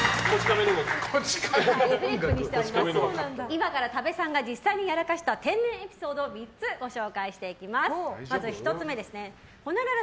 今から多部さんが実際にやらかした天然エピソードを３つご紹介していきます。